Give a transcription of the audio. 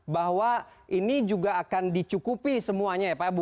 bahwa ini juga akan dicukupi semuanya ya pak